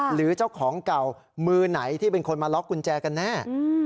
หรือเจ้าของเก่ามือไหนที่เป็นคนมาล็อกกุญแจกันแน่